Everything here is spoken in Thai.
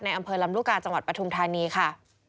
อำเภอลำลูกกาจังหวัดปฐุมธานีค่ะ